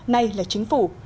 nay là chính phủ